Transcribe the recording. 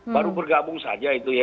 baru bergabung saja itu ya